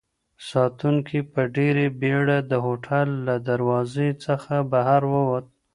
ساتونکی په ډېرې بېړه د هوټل له دروازې څخه بهر ووت.